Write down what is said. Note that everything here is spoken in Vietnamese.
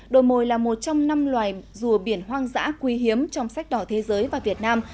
đồi mồi là một trong năm loài rùa biển hoang dã quý hiếm trong sách đỏ thế giới và việt nam